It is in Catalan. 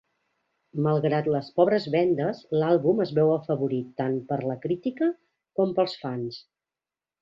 Malgrat les pobres vendes, l'àlbum es veu afavorit tant per la crítica com pels fans.